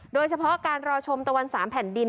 โดยเฉพาะการรอชมตะวัน๓แผ่นดิน